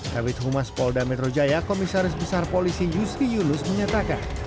kabit humas polda metro jaya komisaris besar polisi yusri yunus menyatakan